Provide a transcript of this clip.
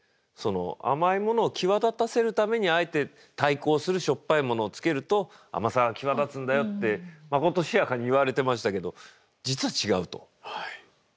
その甘いものを際立たせるためにあえて対抗するしょっぱいものをつけると甘さが際立つんだよってまことしやかに言われてましたけど実は違うと。